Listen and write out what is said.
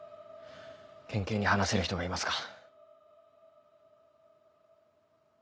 県警に話せる人がいますか？